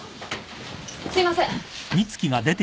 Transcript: すいません。